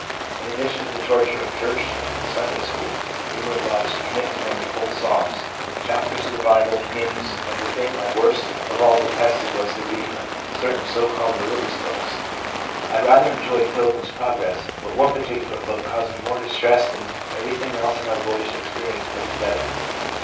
In addition to the torture of church and Sunday school, we were obliged to commit to memory whole psalms, chapters of the Bible, hymns, and the thing I worst of GROWTH WITHOUT DEFINITE TRANSITIONS 303 all detested was the reading of certain so called "re ligious books." I rather enjoyed Pilgrim's Progress, but one particular book caused me more distress than everything else in my boyish experience put together.